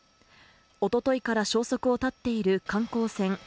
おとといから消息を絶っている観光船